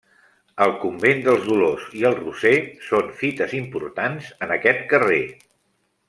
El convent dels Dolors i el Roser són fites importants en aquest carrer.